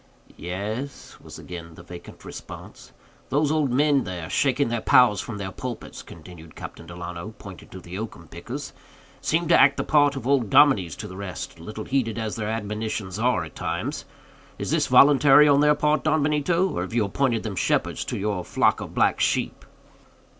"Yes," was again the vacant response. "Those old men there, shaking their pows from their pulpits," continued Captain Delano, pointing to the oakum pickers, "seem to act the part of old dominies to the rest, little heeded as their admonitions are at times. Is this voluntary on their part, Don Benito, or have you appointed them shepherds to your flock of black sheep?"